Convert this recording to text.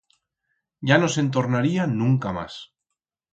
Ya no se'n tornaría nunca mas.